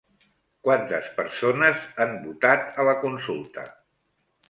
Quantes persones han votat a la consulta?